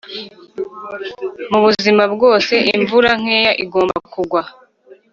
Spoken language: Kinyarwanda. mubuzima bwose imvura nkeya igomba kugwa